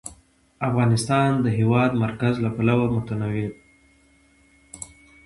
افغانستان د د هېواد مرکز له پلوه متنوع دی.